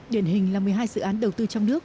điển hình là một mươi hai dự án đầu tư trong nước